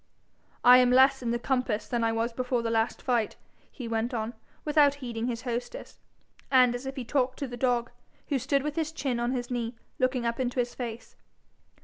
'I am less in the compass than I was before the last fight,' he went on, without heeding his hostess, and as if he talked to the dog, who stood with his chin on his knee, looking up in his face.